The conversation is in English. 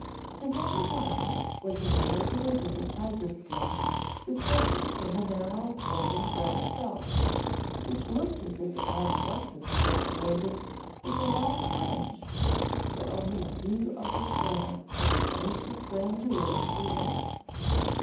His only garment was an irregular bit of tiger skin suspended from a narrow woven grass belt which looked as if it might once have been decorated with a long fringe but only a few of the strands of its ancient grandeur remained.